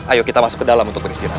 ayo kita masuk ke dalam untuk beristirahat